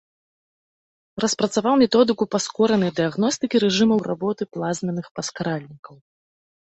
Распрацаваў методыку паскоранай дыягностыкі рэжымаў работы плазменных паскаральнікаў.